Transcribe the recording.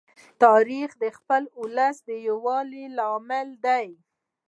تاریخ د خپل ولس د یووالي لامل دی.